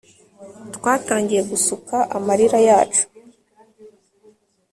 Twatangiye gusuka amarira yacu